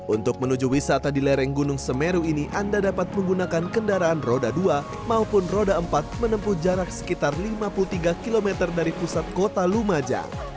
untuk menuju wisata di lereng gunung semeru ini anda dapat menggunakan kendaraan roda dua maupun roda empat menempuh jarak sekitar lima puluh tiga km dari pusat kota lumajang